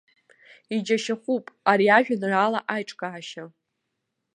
Иџьашьахәуп ари ажәеинраала аиҿкаашьа.